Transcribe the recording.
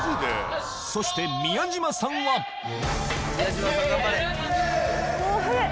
そして宮島さんはお早い！